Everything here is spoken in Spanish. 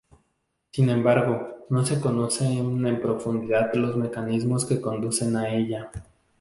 Sin embargo, no se conocen en profundidad los mecanismos que conducen a ella.